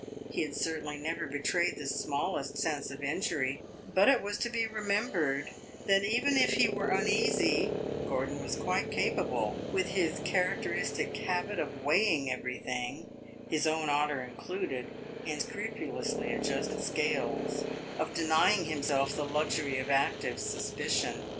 He had certainly never betrayed the smallest sense of injury; but it was to be remembered that even if he were uneasy, Gordon was quite capable, with his characteristic habit of weighing everything, his own honor included, in scrupulously adjusted scales, of denying himself the luxury of active suspicion.